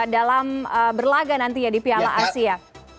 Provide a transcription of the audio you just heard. dalam berlaga nantinya di piala asia